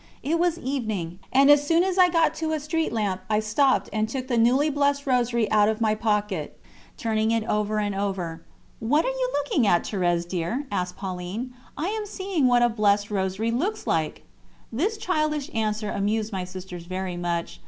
It was evening, and as soon as I got to a street lamp I stopped and took the newly blessed Rosary out of my pocket, turning it over and over. "What are you looking at, Thérèse, dear?" asked Pauline. "I am seeing what a blessed Rosary looks like." This childish answer amused my sisters very much.